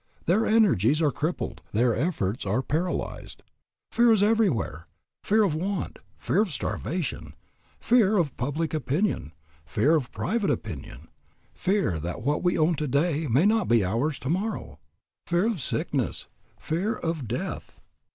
Their energies are crippled, their efforts are paralyzed. "Fear is everywhere, fear of want, fear of starvation, fear of public opinion, fear of private opinion, fear that what we own today may not be ours tomorrow, fear of sickness, fear of death.